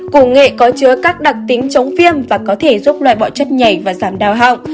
củ nghệ có chứa các đặc tính chống viêm và có thể giúp loại bọ chất nhảy và giảm đau hỏng